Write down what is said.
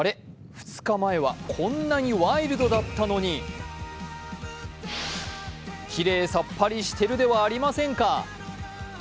２日前はこんなにワイルドだったのにきれいさっぱりしているではありませんか。